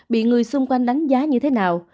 bị người xung quanh đánh giá như thế nào